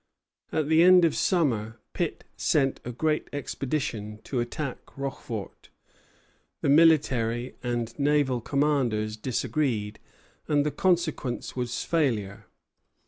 At the end of summer Pitt sent a great expedition to attack Rochefort; the military and naval commanders disagreed, and the consequence was failure.